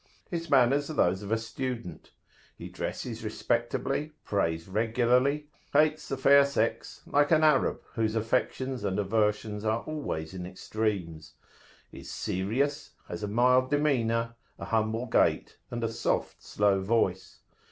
His manners are those of a student; he dresses respectably, prays regularly, hates the fair sex, like an Arab, whose affections and aversions are always in extremes; is "serious," has a mild demeanour, an humble gait, and a soft, slow voice.